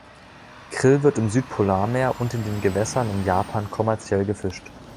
Krill wird im Südpolarmeer und in den Gewässern um Japan kommerziell gefischt.